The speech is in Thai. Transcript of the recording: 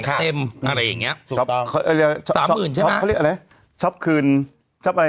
เต็มอะไรแบบนี้